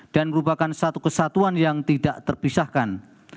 dan merupakan satu kesatuan yang tidak terpisahkan